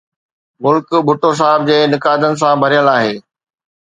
ملڪ ڀٽو صاحب جي نقادن سان ڀريل آهي.